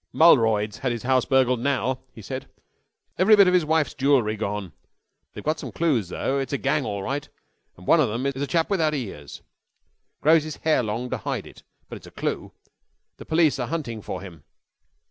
"Mulroyd's had his house burgled now," he said. "Every bit of his wife's jewellery gone. They've got some clues, though. It's a gang all right, and one of them is a chap without ears. Grows his hair long to hide it. But it's a clue. The police are hunting for him."